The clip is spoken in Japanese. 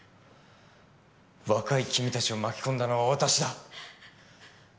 若い君たちを巻き込んだのは私だ。